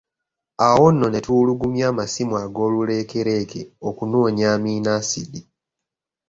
Awo nno ne tuwulugumya amasimu ag’oluleekereeke okunoonya amino asidi.